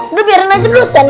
udah biarin aja dulu kan